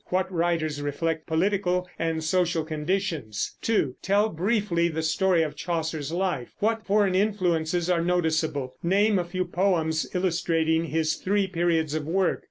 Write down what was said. What writers reflect political and social conditions? 2. Tell briefly the story of Chaucer's life. What foreign influences are noticeable? Name a few poems illustrating his three periods of work.